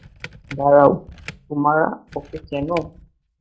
দাঁড়াও, তোমরা ওকে চেনো?